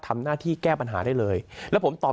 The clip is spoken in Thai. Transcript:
ทำหน้าที่แก้ปัญหาได้เลยแล้วผมตอบ